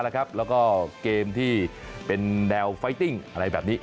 แล้วก็เกมที่เป็นแนวไฟติ้งอะไรแบบนี้